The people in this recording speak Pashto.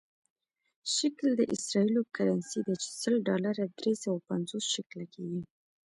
شکل د اسرائیلو کرنسي ده چې سل ډالره درې سوه پنځوس شکله کېږي.